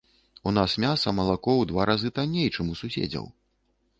У нас мяса, малако ў два разы танней, чым у суседзяў.